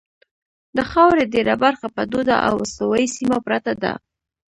د خاورې ډېره برخه په توده او استوایي سیمه پرته ده.